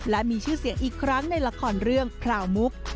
และมีชื่อเสียงอีกครั้งในละครเรื่องพราวมุก